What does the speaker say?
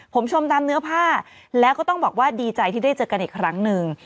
ผมชมตามเนื้อผ้าแล้วก็ต้องบอกว่าดีใจที่ได้เจอกันอีกครั้งหนึ่ง